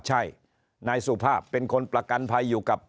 ใช่นายสุภาพเป็นคนประกันภัยอยู่กับ